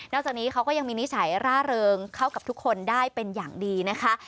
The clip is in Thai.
จากนี้เขาก็ยังมีนิสัยร่าเริงเข้ากับทุกคนได้เป็นอย่างดีนะคะ